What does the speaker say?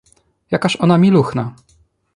"jakaż ona miluchna!"